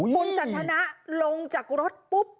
คุณสันทนะลงจากรถปุ๊บ